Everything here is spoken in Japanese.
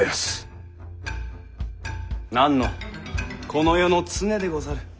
何のこの世の常でござる。